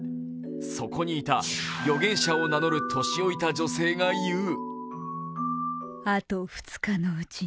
そこにいた予言者を名乗る年老いた女性が言う。